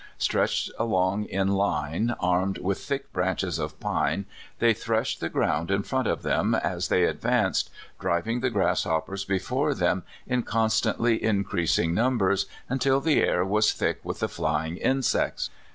Stretched along in line, armed with thick branches of pine, they threshed the ground in front of them as they advanced, driving the grasshoppers before them in constantly increasing numbers, until the air was thick with the flying insects.